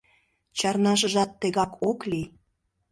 — Чарнашыжат тегак ок лий.